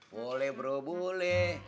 boleh bro boleh